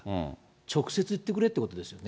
直接言ってくれってことですよね。